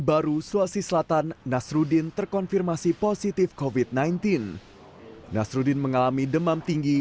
baru sulawesi selatan nasruddin terkonfirmasi positif kofit sembilan belas nasruddin mengalami demam tinggi